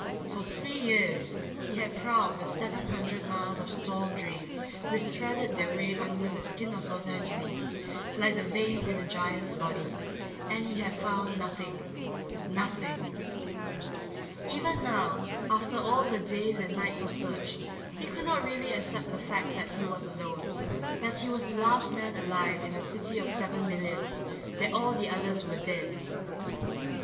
For three years he had prowled the seven hundred miles of storm drains which threaded their way under the skin of Los Angeles like the veins in a giant's body and he had found nothing. Nothing. Even now, after all the days and nights of search, he could not really accept the fact that he was alone, that he was the last man alive in a city of seven million, that all the others were dead.